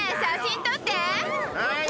はい。